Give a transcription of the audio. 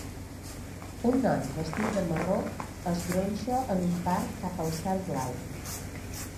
Un noi vestit de marró es gronxa en un parc cap al cel blau.